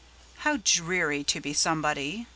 How dreary to be somebody!